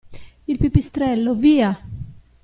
Il pipistrello, via!